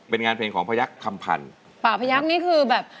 เป็นงานเพลงของพยักษ์คำพันธ์ป่าพยักษ์นี่คือแบบ